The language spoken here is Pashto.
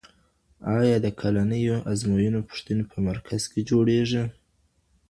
آیا د کلنیو ازموینو پوښتنې په مرکز کي جوړیږي؟